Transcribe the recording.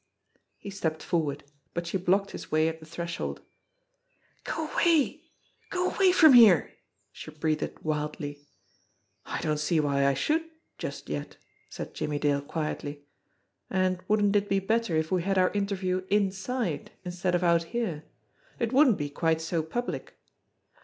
He stepped forward, but she blocked his way at the threshold. "Go away ! Go away from here !" she breathed wildly. "I don't see why I should just yet," said Jimmie Dale quietly. "And wouldn't it be better if we had our interview inside instead of out here? It wouldn't be quite so public."